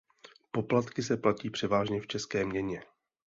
Poplatky se platí převážně v české měně.